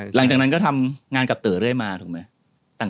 หลังจากนั้นก็ทำงานกับเต๋อเรื่อยมาถูกไหม